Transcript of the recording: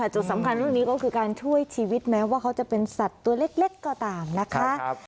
จุดสำคัญเรื่องนี้ก็คือการช่วยชีวิตแม้ว่าเขาจะเป็นสัตว์ตัวเล็กก็ตามนะคะ